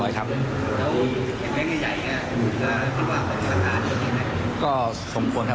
แล้วเห็นแม่งใหญ่ค่ะคุณว่าคุณสาธารณ์โอเคไหม